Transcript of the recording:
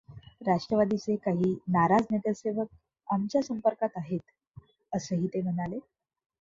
राष्ट्रवादीचे काही नाराज नगरसेवक आमच्या संपर्कात आहेत, असंही ते म्हणाले.